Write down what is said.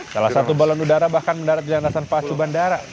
salah satu balon udara bahkan mendarat di landasan palsu bandara